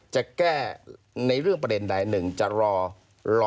จะแก้ในเรื่องประเด็นใด๑จะรอ